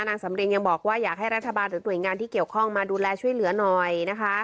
นางสำริงยังบอกว่าอยากให้รัฐบาลหรือหน่วยงานที่เกี่ยวข้องมาดูแลช่วยเหลือหน่อยนะคะ